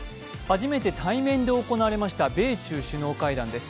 初めて対面で行われました米中首脳会談です。